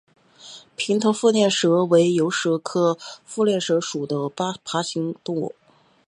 平头腹链蛇为游蛇科腹链蛇属的爬行动物。